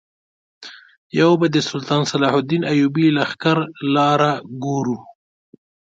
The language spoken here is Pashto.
یو به د سلطان صلاح الدین ایوبي لښکرو لاره ګورو.